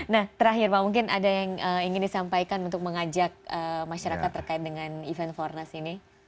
nah terakhir pak mungkin ada yang ingin disampaikan untuk mengajak masyarakat terkait dengan event fornas ini